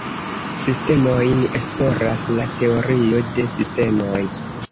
Sistemojn esploras la teorio de sistemoj.